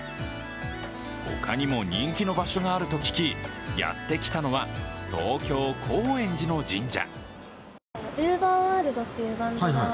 他にも、人気の場所があると聞きやってきたのは東京・高円寺の神社。